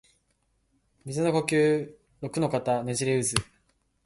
水の呼吸陸ノ型ねじれ渦（ろくのかたねじれうず）